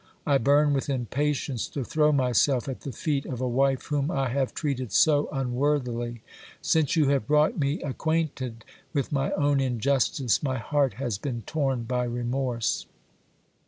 I burn with impatience to throw myself at the feet of a wife whom I have treated so unworthily. Since you have brought me acquaint ed with my own injustice, my heart has been torn by remorse.